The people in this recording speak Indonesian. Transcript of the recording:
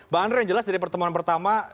bang andre yang jelas dari pertemuan pertama